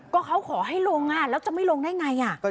ก็เขาขอให้ลงแล้วจะไม่ลงได้ไง